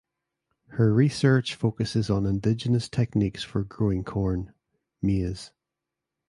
Her research focuses on Indigenous techniques for growing corn (maize).